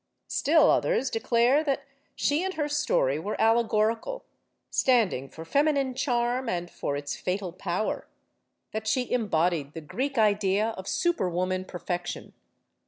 Still others declare that she and her story were allegorical, standing for feminine charm and for its fatal power; that she embodied the Greek idea of HELEN OF TROY 63 superwoman perfection.